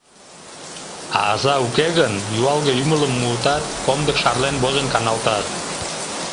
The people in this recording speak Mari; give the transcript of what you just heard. А аза уке гын, юалге ӱмылым муытат, комдык шарлен возын каналтат.